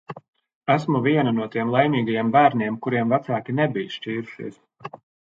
Esmu viena no tiem laimīgajiem bērniem, kuriem vecāki nebija šķīrušies.